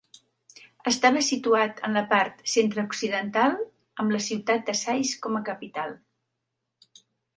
Estava situat en la part centre-occidental, amb la ciutat de Sais com a capital.